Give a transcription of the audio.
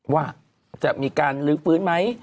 ว่าจะมีการลื้อฟื้นไหม